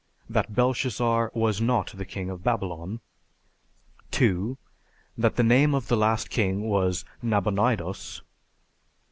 That Belshazzar was not the king of Babylon. 2. That the name of the last king was Nabonidos.